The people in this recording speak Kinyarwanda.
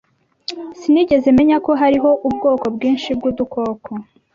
Sinigeze menya ko hariho ubwoko bwinshi bw'udukoko.